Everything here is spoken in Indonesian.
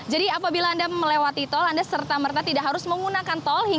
jadi apabila anda melewati tol anda serta merta tidak harus menggunakan tol